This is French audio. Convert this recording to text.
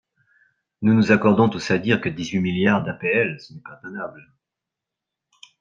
Nous nous accordons tous à dire que dix-huit milliards d’APL, ce n’est pas tenable.